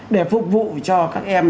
để phục vụ cho các em